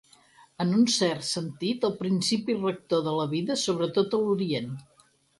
En un cert sentit, el principi rector de la vida, sobretot a Orient.